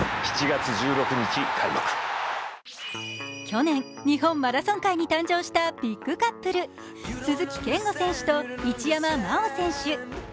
去年、日本マラソン界に誕生したビッグカップル、鈴木健吾選手と一山麻緒選手。